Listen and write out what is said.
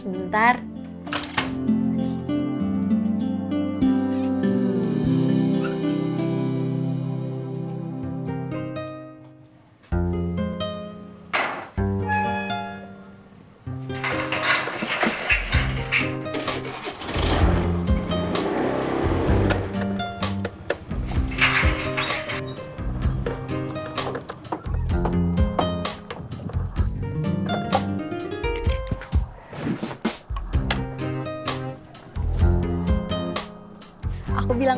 kamu duduk dulu di teras